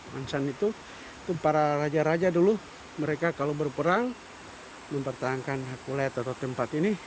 mentan san itu itu para raja raja dulu mereka kalau berperang mempertahankan kulit atau tempat ini